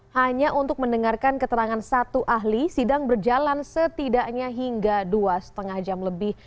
hanya untuk mendengarkan keterangan satu ahli sidang berjalan setidaknya hingga dua lima jam lebih